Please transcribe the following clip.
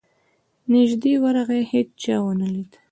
نیژدې ورغی هېچا ونه لید.